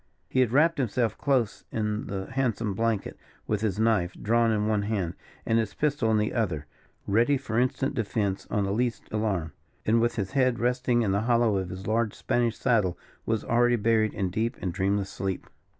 He had wrapped himself close in the handsome blanket, with his knife drawn in one hand, and his pistol in the other, ready for instant defense on the least alarm; and, with his head resting in the hollow of his large Spanish saddle, was already buried in deep and dreamless sleep.